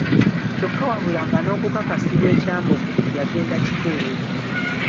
Kyokka wabula nga n'okukakasibwa e Kyambogo yagenda kikeerezi.